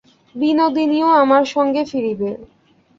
বিনোদিনীও আমার সঙ্গে ফিরিবে।